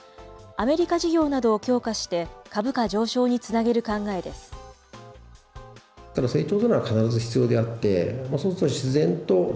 アメリカ事業などを強化して、株価上昇につなげる考えです。